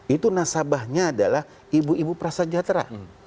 itu nasabahnya adalah ibu ibu prasejahtera